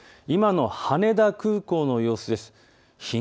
今の羽田空港の様子です。